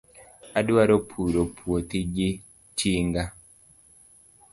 Adwaro puro puothi gi tinga.